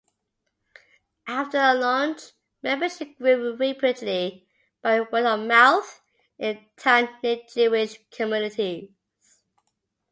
After the launch, membership grew rapidly by word of mouth in tight-knit Jewish communities.